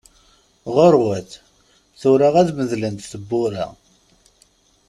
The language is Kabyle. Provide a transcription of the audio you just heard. Ɣuṛwat, tura ad medlent tebbura!